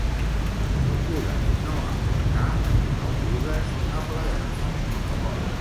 Procura no apuntar on no pugues aplegar.